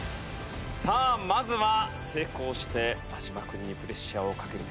さあまずは成功して安嶋君にプレッシャーをかけるでしょうか？